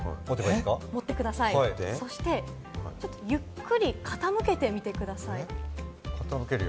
持ってください、そしてゆっくり傾けてみてください。